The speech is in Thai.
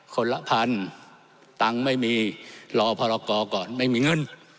คนละพันตังค์ไม่มีรอพรกรก่อนไม่มีเงิน